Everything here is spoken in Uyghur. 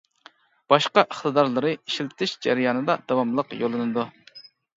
باشقا ئىقتىدارلىرى ئىشلىتىش جەريانىدا داۋاملىق يوللىنىدۇ.